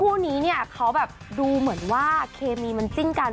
คู่นี้เนี่ยเขาแบบดูเหมือนว่าเคมีมันจิ้นกัน